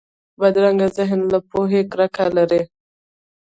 بدرنګه ذهن له پوهې کرکه لري